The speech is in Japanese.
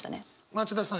町田さん